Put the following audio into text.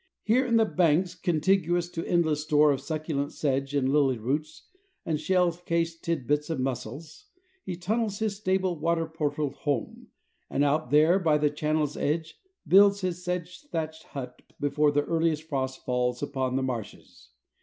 Here in banks contiguous to endless store of succulent sedge and lily roots and shell cased tidbits of mussels, he tunnels his stable water portaled home, and out there, by the channel's edge, builds his sedge thatched hut before the earliest frost falls upon the marshes.